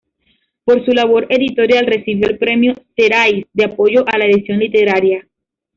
Por su labor editorial recibió el premio Xerais de apoyo a la edición literaria.